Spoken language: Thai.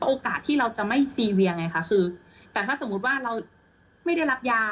โอกาสที่เราจะไม่ซีเวียไงคะคือแต่ถ้าสมมุติว่าเราไม่ได้รับยา